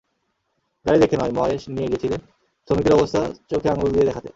গাড়ি দেখতে নয়, ময়েস নিয়ে গিয়েছিলেন শ্রমিকদের অবস্থা চোখে আঙুল দিয়ে দেখাতে।